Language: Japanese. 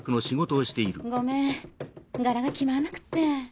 ごめん柄が決まんなくって。